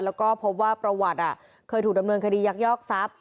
แล้วก็พบว่าประวัติเคยถูกดำเนินคดียักยอกทรัพย์